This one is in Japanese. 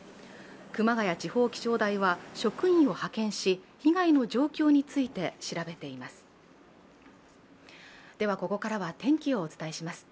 熊谷地方気象台は職員を派遣し、被害の状況について調べています。